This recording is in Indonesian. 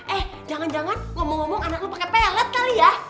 eh jangan jangan ngomong ngomong anak lu pakai pellet kali ya